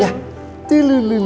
ya udah assalamualaikum